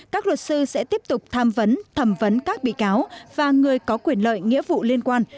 các luật sư sẽ tiếp tục tham vấn thẩm vấn các bị cáo và người có quyền lợi nghĩa vụ liên quan